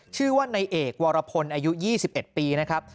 ชื่อว่านายเอกวรพลอายุ๒๑ปีนะครับ